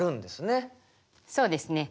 そうですね。